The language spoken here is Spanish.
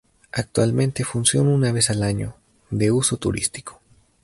Actualmente funciona una vez al año, de uso turístico.